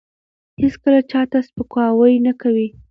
هیڅکله چا ته سپکاوی نه کوي.